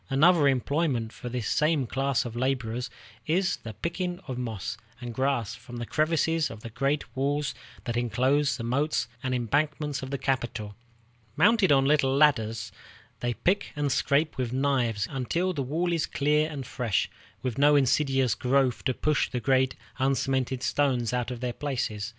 Another employment for this same class of laborers is the picking of moss and grass from the crevices of the great walls that inclose the moats and embankments of the capital. Mounted on little ladders, they pick and scrape with knives until the wall is clear and fresh, with no insidious growth to push the great uncemented stones out of their places.